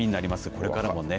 これからもね。